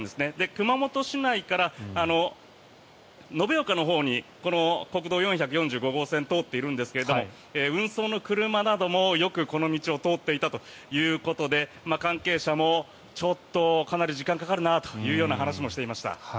熊本市内から延岡のほうに国道４４５号線は通っているんですが運送の車などもよくこの道を通っていたということで関係者もちょっとかなり時間がかかるなという話もしていました。